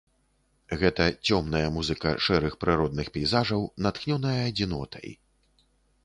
Гэта цёмная музыка шэрых прыродных пейзажаў, натхнёная адзінотай.